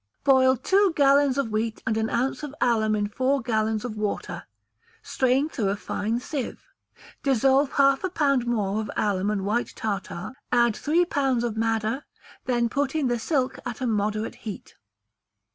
Boil two gallons of wheat and an ounce of alum in four gallons of water; strain through a fine sieve; dissolve half a pound more of alum and white tartar; add three pounds of madder, then put in the silk at a moderate heat.